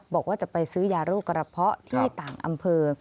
บอกว่าจะไปซื้อยาโรคกระเพาะที่ต่างอำเภอ